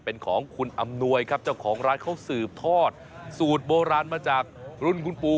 เป็นของคุณอำนวยครับเจ้าของร้านเขาสืบทอดสูตรโบราณมาจากรุ่นคุณปู